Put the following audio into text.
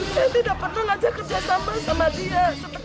saya tidak pernah ngajak kerja sambal sama dia